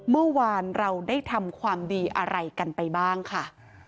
เมื่อวานเราได้ทำความดีอะไรกันไปบ้างค่ะ